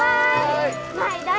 はい！